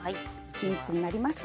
均一になりました。